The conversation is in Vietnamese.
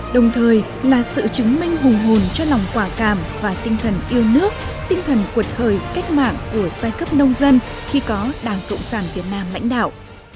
đồng thời là sự chứng minh hùng hồn cho lòng quả cảm và tinh thần yêu nước tinh thần cuột khởi cách mạng của giai cấp nông dân khi có đảng cộng sản việt nam lãnh đạo